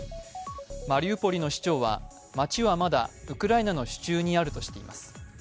マリウポリの市長は街はまだウクライナの手中にあるとしています。